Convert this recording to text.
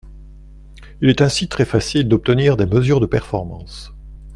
Il est ainsi très facile d’obtenir des mesures de performance.